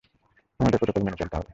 আমাদের প্রটোকল মেনে চলতে হবে।